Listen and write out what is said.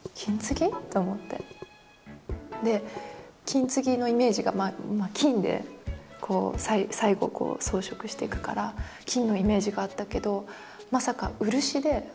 金継ぎのイメージが金で最後こう装飾していくから金のイメージがあったけどまさか漆でくっつけてるっていう。